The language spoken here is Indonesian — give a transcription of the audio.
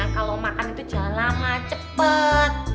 kalau makan itu jalan lah cepet